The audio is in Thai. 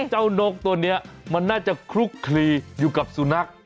นกตัวนี้มันน่าจะคลุกคลีอยู่กับสุนัข